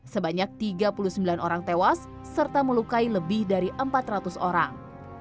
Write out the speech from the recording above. sebanyak tiga puluh sembilan orang tewas serta melukai lebih dari empat ratus orang